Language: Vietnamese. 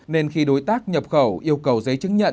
nên khi đối tác nhập khẩu yêu cầu giấy chứng nhận